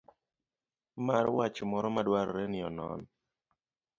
mar wach moro madwarore nionon.